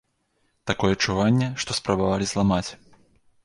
Такое адчуванне, што спрабавалі зламаць.